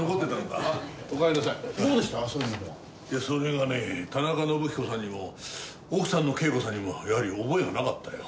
いやそれがね田中伸彦さんにも奥さんの啓子さんにもやはり覚えがなかったよ。